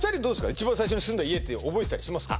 一番最初に住んだ家って覚えてたりしますか？